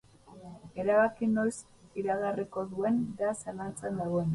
Erabaki noiz iragarriko duen da zalantzan dagoena.